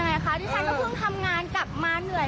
ไม่เคยมีใครที่ไม่เคยโทรไม่โทรขึ้นไปเลย